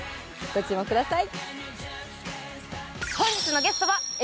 ご注目ください。